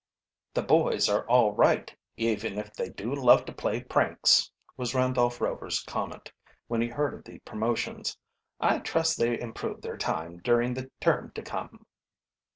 "The boys are all right, even if they do love to play pranks," was Randolph Rover's comment, when he heard of the promotions. "I trust they improve their time during the term to come."